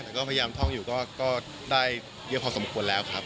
แต่ก็พยายามท่องอยู่ก็ได้เยอะพอสมควรแล้วครับ